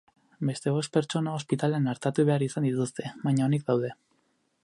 Beste bost pertsona ospitalean artatu behar izan dituzte, baina onik daude.